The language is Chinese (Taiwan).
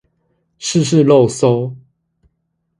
試試肉搜